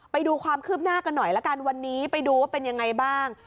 ไปดูความคืบหน้ากันหน่อยละกันวันนี้ไปดูว่าเป็นยังไงบ้าง